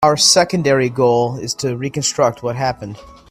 Our secondary goal is to reconstruct what happened.